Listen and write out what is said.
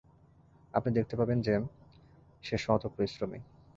আপনি দেখতে পাবেন যে, সে সৎ ও পরিশ্রমী।